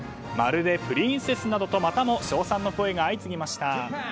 まるでプリンセスなどとまたも称賛の声が相次ぎました。